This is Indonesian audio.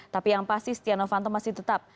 tapi yang pasti setia novanto masih tetap